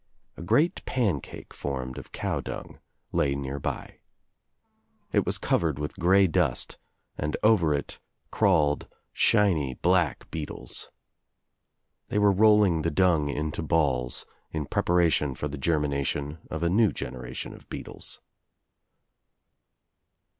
A great pancake formed of cow dung lay nearby. It was covered with grey dust and over it crawled shiny black beetles. They were rolling the dung into balls in prep aration for the germination of a new generation of beetles.